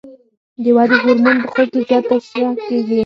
د ودې هورمون په خوب کې زیات ترشح کېږي.